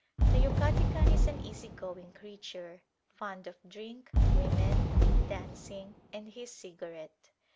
The Yucatecan is an easy going creature, fond of drink, women, dancing, and his cigarette.